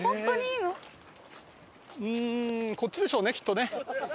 うーんこっちでしょうねきっとね。